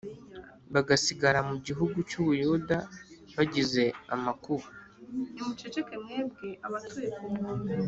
bagasigara mu gihugu cy u Buyuda bagize amakuba